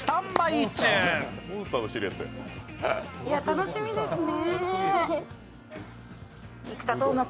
楽しみですね。